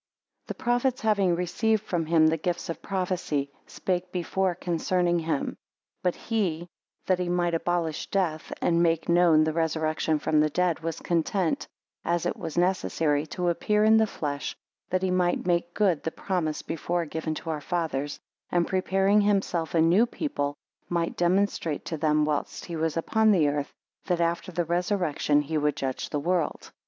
9 The prophets having received from him the gifts of prophecy, spake before concerning him: 10 But he, that he might abolish death, and make known the resurrection from the dead, was content, as it was necessary, to appear in the flesh, that he might make good the promise before given to our fathers, and preparing himself a new people, might demonstrate to them whilst he was upon earth, that after the resurrection he would judge the world.